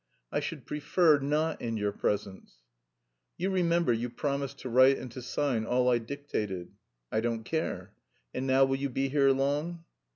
"I should prefer not in your presence." "You remember you promised to write and to sign all I dictated." "I don't care. And now will you be here long?"